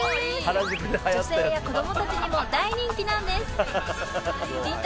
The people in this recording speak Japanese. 女性や子供たちにも大人気なんです。